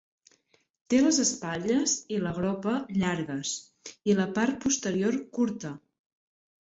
Té les espatlles i la gropa llargues i la part posterior curta.